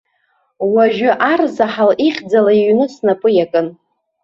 Уажәы арзаҳал ихьӡала иҩны снапы иакын.